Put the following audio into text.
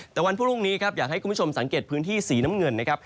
แต่วันพรุ่งนี้ครับอยากให้คุณผู้ชมสังเกตพื้นที่สีน้ำเงินนะครับ